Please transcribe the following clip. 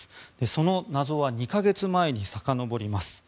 その謎は２か月前にさかのぼります。